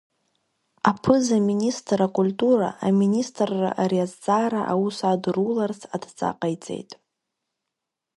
Аԥыза-министр акультура Аминистрра ари азҵаара аус адыруларц адҵа ҟаиҵеит.